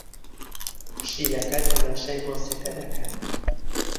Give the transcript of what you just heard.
پشیلەکە تەماشای ماسییەکە دەکات.